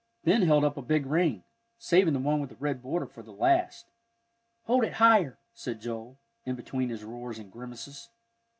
Ben held up a big ring, saving the one with the red border for the last. "Hold it higher," said Joel, in between his roars and grimaces.